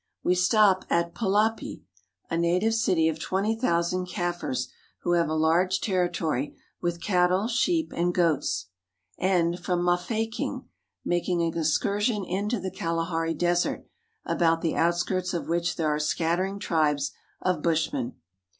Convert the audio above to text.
We stop at Pa lapye (pa lap'y^), a native city of twenty thousand Kaffirs who have a large territory, with cattle, sheep, and goats; and from Mafeking (ma fa k!ng') make an excursion into the Kalahari Desert, about the outskirts of which there are scattering tribes of Bushmen.